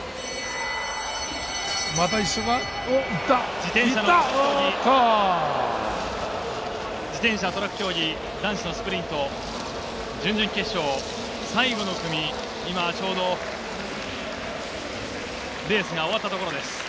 自転車トラック競技男子のスプリント、準々決勝最後の組、今ちょうど、レースが終わったところです。